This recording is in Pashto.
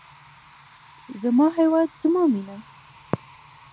زما هیواد زما مینه.